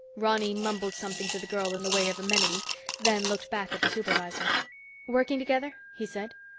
Ronny mumbled something to the girl in the way of amenity, then looked back at the supervisor. "Working together?" he said.